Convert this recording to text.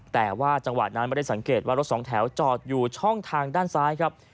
แต่ว่าจังหวะนั้นไม่ได้สังเกตว่ารถสองแถวจอดอยู่ช่องทางด้านซ้ายครับ